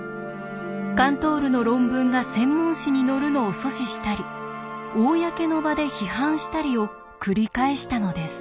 カントールの論文が専門誌に載るのを阻止したり公の場で批判したりを繰り返したのです。